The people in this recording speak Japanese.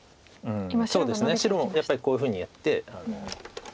白もやっぱりこういうふうにやって。